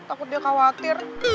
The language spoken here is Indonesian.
takut dia khawatir